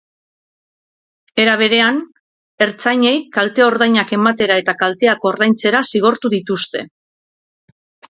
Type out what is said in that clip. Era berean, ertzainei kalte-ordainak ematera eta kalteak ordaintzera zigortu dituzte.